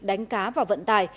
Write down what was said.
đánh cá và vận tải